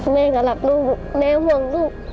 แม่ก็รักลูกแม่ห่วงลูก